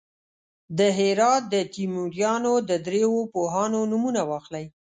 د هرات د تیموریانو د دریو پوهانو نومونه واخلئ.